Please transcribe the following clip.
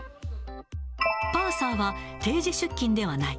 パーサーは定時出勤ではない。